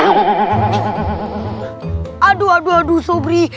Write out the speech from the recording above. aduh aduh aduh aduh sobri